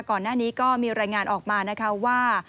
ก่อนหน้านี้ก็มีรายงานออกมานะคะว่า